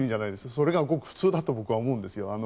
それがごく普通だと僕は思うんですよ。